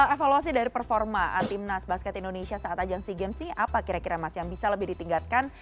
evaluasi dari performa timnas basket indonesia saat ajang sea games sih apa kira kira mas yang bisa lebih ditingkatkan